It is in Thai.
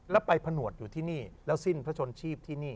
แล้วไปผนวดอยู่ที่นี่แล้วสิ้นพระชนชีพที่นี่